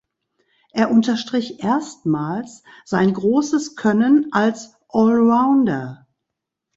Er unterstrich erstmals sein großes Können als Allrounder.